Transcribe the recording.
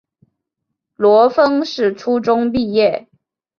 罗烽是初中毕业。